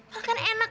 malah kan enak